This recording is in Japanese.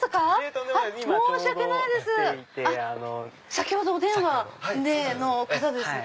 先ほどお電話の方ですね。